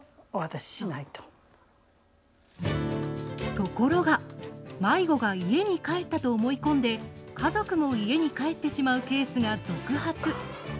ところが迷子が家に帰ったと思い込んで家族も家に帰ってしまうケースが続発。